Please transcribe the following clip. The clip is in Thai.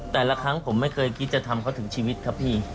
แต่ละครั้งผมไม่เคยคิดจะทำเขาถึงชีวิตครับพี่